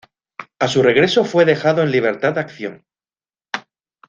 A su regreso fue dejado en libertad de acción.